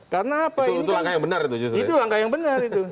karena apa itu langkah yang benar